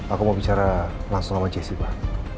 aku mau bicara langsung sama jessy pak